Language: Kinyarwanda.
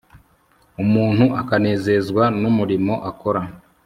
umuntu akanezezwa n'umurimo akora